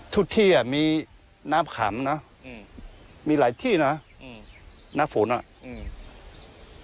ที่อ่ะมีน้ำขำนะอืมมีหลายที่นะอืมน้ำฝนอ่ะอืม